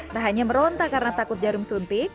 tak hanya meronta karena takut jarum suntik